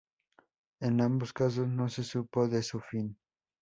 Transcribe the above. En ambos casos no se supo de su fin.